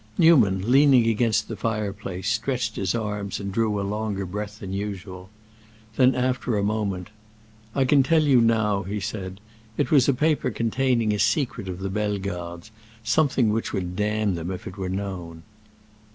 Newman leaning against the fireplace, stretched his arms and drew a longer breath than usual. Then after a moment, "I can tell you now," he said. "It was a paper containing a secret of the Bellegardes—something which would damn them if it were known."